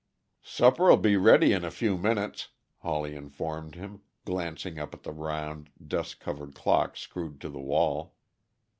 "Supper'll be ready in a few minutes," Hawley informed him, glancing up at the round, dust covered clock screwed to the wall.